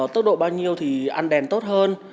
tốc độ bao nhiêu thì ăn đèn tốt hơn